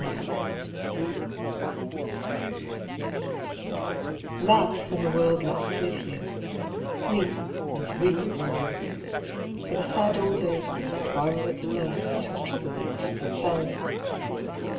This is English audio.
SOLITUDE Laugh, and the world laughs with you: Weep, and you weep alone; For the sad old earth Must borrow its mirth, It has trouble enough of its own.